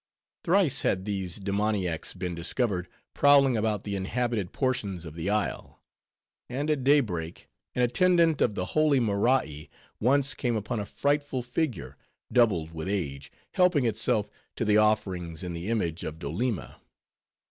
Thrice had these demoniacs been discovered prowling about the inhabited portions of the isle; and at day break, an attendant of the holy Morai once came upon a frightful figure, doubled with age, helping itself to the offerings in the image of Doleema.